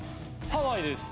ハワイです。